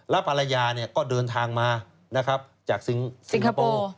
รับภรรยาเนี้ยก็เดินทางมานะครับจากซิงคโปร์ซิงคโปร์